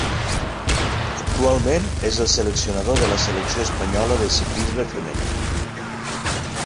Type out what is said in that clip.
Actualment és el seleccionador de la selecció espanyola de ciclisme femení.